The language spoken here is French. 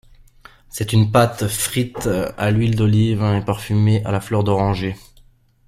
C'est une pâte frite à l'huile d'olive et parfumée à la fleur d'oranger.